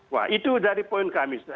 wah itu dari poin kami